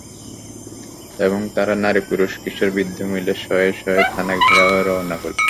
এবং তারা নারী-পুরুষ, কিশোর-বৃদ্ধ মিলে শয়ে শয়ে থানা ঘেরাওয়ে রওনা হলো।